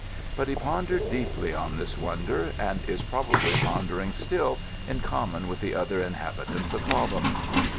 But he pondered deeply on this wonder, and is probably pondering still, in common with the other inhabitants of Bobham.